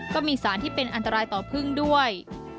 ก็มีสารที่เป็นอันตรายต่อพึ่งด้วย